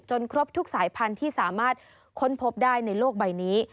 ครบทุกสายพันธุ์ที่สามารถค้นพบได้ในโลกใบนี้